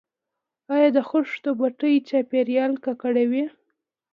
آیا د خښتو بټۍ چاپیریال ککړوي؟